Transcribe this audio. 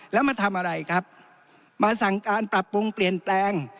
แล้วมาทำอะไรครับมาสั่งการปรับปรุงเปลี่ยนแปลง